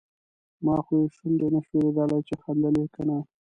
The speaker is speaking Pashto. ما خو یې شونډې نشوای لیدای چې خندل یې که نه.